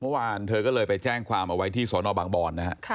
เมื่อวานเธอก็เลยไปแจ้งความเอาไว้ที่สอนอบางบอนนะฮะ